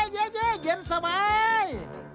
เย้เย้เย็นสมัย